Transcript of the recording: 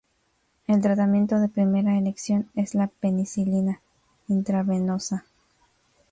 El tratamiento de primera elección es la penicilina intravenosa.